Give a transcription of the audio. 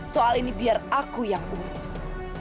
soal ini biar aku yang urus